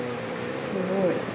すごい。